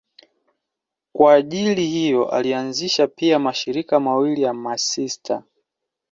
Kwa ajili hiyo alianzisha pia mashirika mawili ya masista.